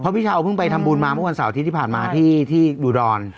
เพราะพี่เช้าเพิ่งไปทำบูรณ์มาพวกวันเสาร์ที่ผ่านมาที่ดูดรรค์